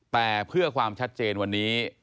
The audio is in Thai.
แต่เพื่อความชัดเจนวันนี้